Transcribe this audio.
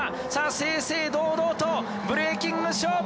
正々堂々とブレーキング勝負！